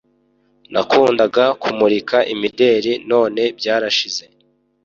Nakundaga kumurika imideli none byarashize